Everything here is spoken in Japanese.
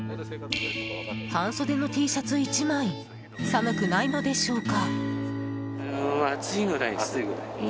半袖のＴシャツ１枚寒くないのでしょうか？